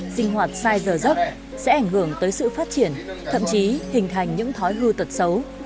sinh hoạt sai giờ giấc sẽ ảnh hưởng tới sự phát triển thậm chí hình thành những thói hư tật xấu